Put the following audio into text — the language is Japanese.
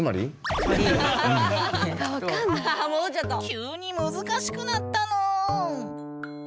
急に難しくなったぬん。